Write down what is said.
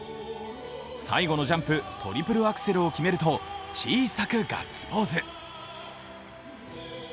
最後のジャンプ、トリプルアクセルを決めると小さくガッツポーズ。